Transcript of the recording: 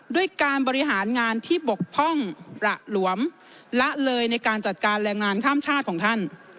ด้วยการบริหารงานที่บกพร่องประหลวมละเลยในการจัดการแรงงานข้ามชาติของท่าน